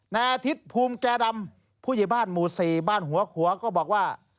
นายอาทิตย์ภูมิแก่ดำผู้ใหญ่บ้านหมู่๔บ้านหัวขัวก็บอกว่า